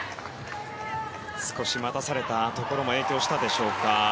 少し待たされたところも影響したでしょうか。